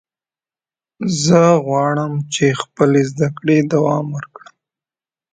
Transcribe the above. زه غواړم چې خپلې زده کړې دوام ورکړم.